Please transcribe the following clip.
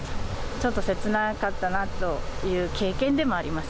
ちょっと切なかったなという経験でもあります。